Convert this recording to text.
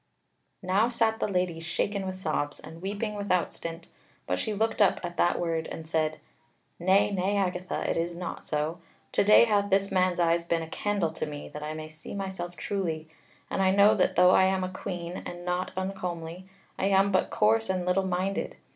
Now sat the Lady shaken with sobs, and weeping without stint; but she looked up at that word and said: "Nay, nay, Agatha, it is not so. To day hath this man's eyes been a candle to me, that I may see myself truly; and I know that though I am a queen and not uncomely, I am but coarse and little minded.